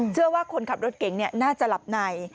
เชื่อว่าคนขับรถเก๋งเนี่ยน่าจะหลับไหน